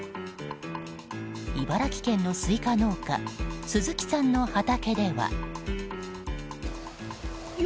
茨城県のスイカ農家鈴木さんの畑では。